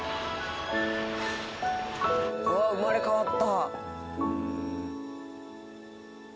うわあ生まれ変わった。